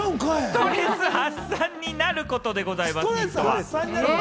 ストレス発散になることでございます。